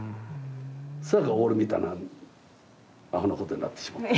そやから俺みたいなアホなことになってしまう。